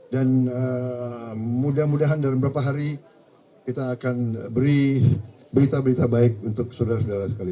mudah mudahan dalam beberapa hari kita akan beri berita berita baik untuk saudara saudara sekalian